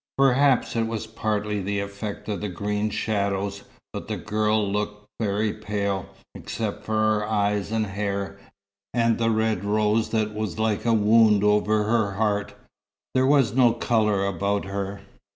Perhaps it was partly the effect of the green shadows, but the girl looked very pale. Except for her eyes and hair, and the red rose that was like a wound over her heart, there was no colour about her.